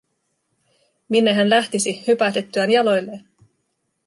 Minne hän lähtisi, hypähdettyään jaloilleen?